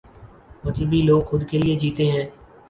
مطلبی لوگ خود کے لئے جیتے ہیں۔